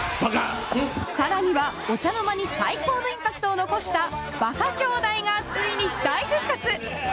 更には、お茶の間に最高のインパクトを残した馬鹿兄弟がついに大復活。